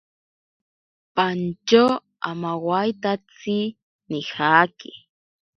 Pantyo amawaitatsi nijaki.